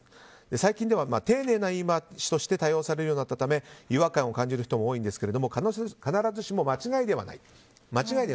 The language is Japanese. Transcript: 最近では丁寧な言い回しとして多用されるようになったため違和感を感じる人も多いんですけれども必ずしも間違いではない。